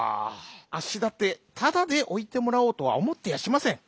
「あっしだってただでおいてもらおうとはおもってやしません。